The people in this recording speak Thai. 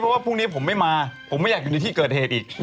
เพราะว่าพรุ่งนี้ผมไม่มาผมไม่อยากอยู่ในที่เกิดเหตุอีก